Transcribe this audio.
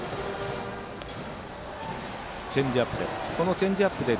チェンジアップです。